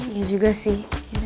ya juga sih